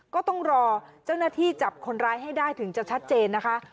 ก็ต้องรอเจ้าหน้าที่จับคนร้ายให้ได้ถึงจะชัดเจนนะคะ